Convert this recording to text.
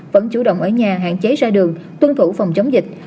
vẫn chủ động ở nhà hạn chế ra đường tuân thủ phòng chống dịch